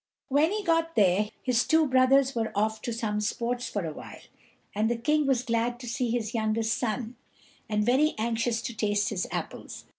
When he got there his two brothers were off to some sports for a while; and the King was glad to see his youngest son, and very anxious to taste his apples.